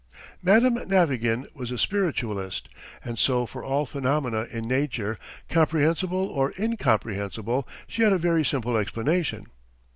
Madame Navagin was a spiritualist, and so for all phenomena in nature, comprehensible or incomprehensible, she had a very simple explanation.